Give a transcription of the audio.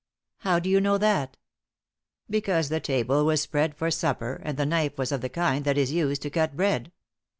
"How do you know that?" "Because the table was spread for supper, and the knife was of the kind that is used to cut bread."